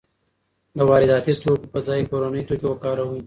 د وارداتي توکو په ځای کورني توکي وکاروئ.